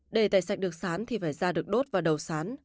để tẩy sạch được sán thì phải da được đốt vào đầu sán